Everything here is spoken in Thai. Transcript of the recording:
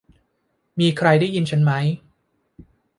มีใครได้ยินฉันมั้ย